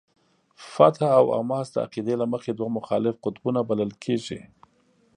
فتح او حماس د عقیدې له مخې دوه مخالف قطبونه بلل کېږي.